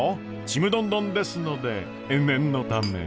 ちむどんどんですので念のため。